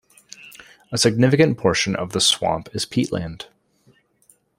A significant portion of the swamp is peatland.